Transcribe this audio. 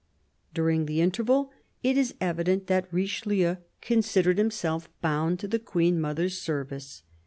During the interval, it is evident that Richelieu considered himself bound to the Queen mother's service.